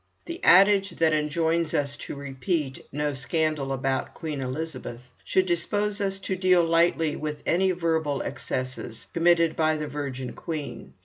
The adage that enjoins us to repeat "no scandal about Queen Elizabeth" should dispose us to deal lightly with any verbal excesses committed by the virgin queen.